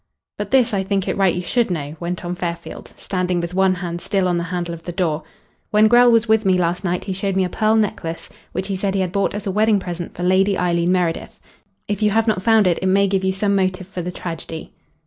"But this I think it right you should know," went on Fairfield, standing with one hand still on the handle of the door: "When Grell was with me last night he showed me a pearl necklace, which he said he had bought as a wedding present for Lady Eileen Meredith. If you have not found it, it may give you some motive for the tragedy."